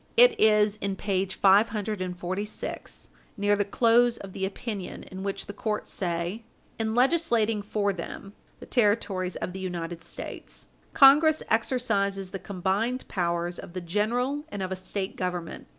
It is in page 26 U. S. 546, near the close of the opinion, in which the court say: "In legislating for them," (the territories of the United States) "Congress exercises the combined powers of the General and of a State Government."